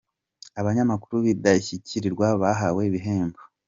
Abanyamakuru b’indashyikirwa bahawe ibihembo